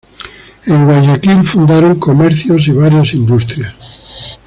En Guayaquil fundaron comercios y varias industrias.